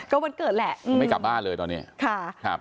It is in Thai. ก็วันเกิดแหละไม่กลับบ้านเลยตอนนี้ค่ะครับ